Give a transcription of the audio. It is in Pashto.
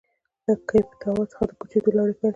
له کیپ ټاون څخه د کوچېدو لړۍ پیل کړه.